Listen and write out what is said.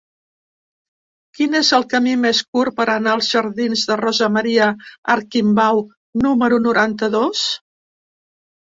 Quin és el camí més curt per anar als jardins de Rosa Maria Arquimbau número noranta-dos?